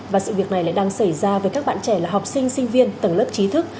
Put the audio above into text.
và sự việc này lại đang xảy ra với các bạn trẻ là học sinh sinh viên tầng lớp trí thức